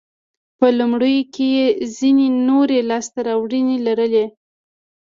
په لومړیو کې یې ځیني نورې لاسته راوړنې لرلې.